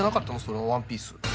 そのワンピース。